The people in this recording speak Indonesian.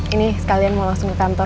ini sekalian mau langsung ke kantor